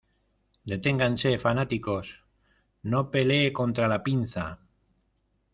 ¡ Deténganse, fanáticos! No pelee contra la pinza.